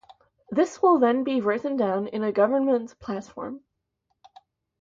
This will then be written down in a government platform.